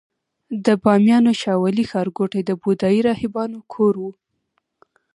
د بامیانو شاولې ښارګوټي د بودايي راهبانو کور و